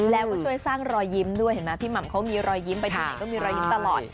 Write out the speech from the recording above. แล้วก็ช่วยสร้างรอยยิ้มด้วยเห็นไหมพี่หม่ำเขามีรอยยิ้มไปที่ไหนก็มีรอยยิ้มตลอด